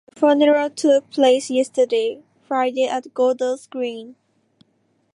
The funeral took place yesterday (Friday) at Golders Green.